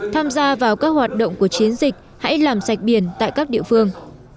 tham gia vào các hoạt động của chiến dịch hãy làm sạch biển tại các địa phương